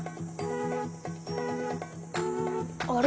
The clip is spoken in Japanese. あれ？